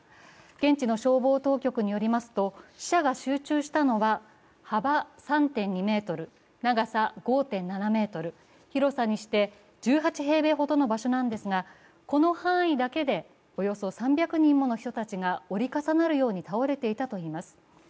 現地の消防当局によりますと死者が集中したのは幅３．２ｍ長さ５．７ｍ、広さにして１８平米ほどの場所なんですが、この範囲だけでおよそ３００人もの人たちが折り重なるように倒れていたといいます。